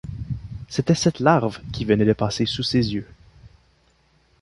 C’était cette larve qui venait de passer sous ses yeux.